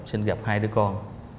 xin gặp hai đứa con